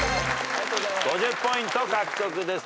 ５０ポイント獲得です。